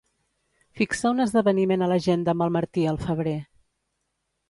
Fixa un esdeveniment a l'agenda amb el Martí al febrer.